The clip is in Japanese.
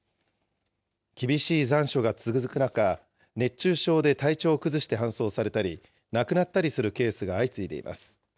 厳しい残暑が続く中、熱中症で体調を崩して搬送されたり亡くなったりするケースが相次いでいます。